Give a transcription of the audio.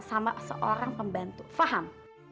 sama seorang pembantu faham